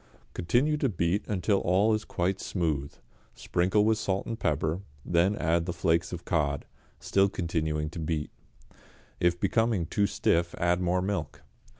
Continue to beat until all is quite smooth, sprinkle with salt and pepper, then add the flakes of cod, still continuing to beat. If becoming too stiff add more milk.